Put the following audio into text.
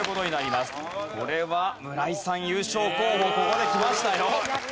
これは村井さん優勝候補ここできましたよ。